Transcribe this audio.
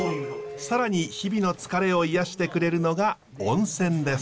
更に日々の疲れを癒やしてくれるのが温泉です。